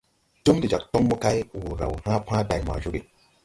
Túm de jag toŋ mo kay, wur raw hãã pãã day ma jooge.